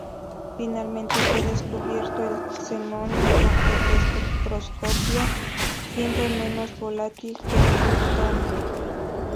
Finalmente fue descubierto el xenón mediante espectroscopia, siendo menos volátil que el kriptón.